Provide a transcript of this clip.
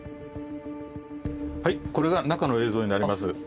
はいこれが中の映像になります。